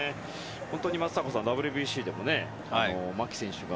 松坂さん、ＷＢＣでも牧選手が。